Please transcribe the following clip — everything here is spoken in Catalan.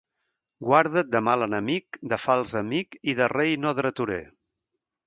Guarda't de mal enemic, de fals amic i de rei no dreturer.